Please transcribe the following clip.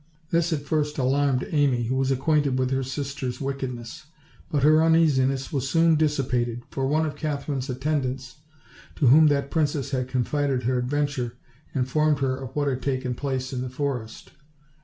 This at first alarmed Amy, who was acquainted with her sister's wickedness; but her uneasiness was soon dissipated, for one of Kath erine's attendants, to whom that princess had confided her adventure, informed her of what had taken place in the forest.